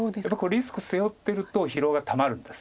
リスク背負ってると疲労がたまるんです。